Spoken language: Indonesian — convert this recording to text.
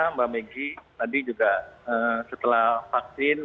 mbak megi tadi juga setelah vaksin